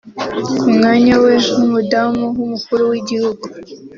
Ku mwanya we nk’Umudamu w’Umukuru w’Igihugu